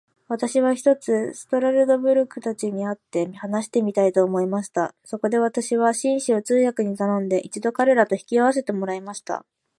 私は、ひとつストラルドブラグたちに会って話してみたいと思いました。そこで私は、紳士を通訳に頼んで、一度彼等と引き合せてもらいました。